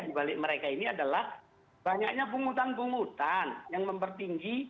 dibalik mereka ini adalah banyaknya pungutan pungutan yang mempertinggi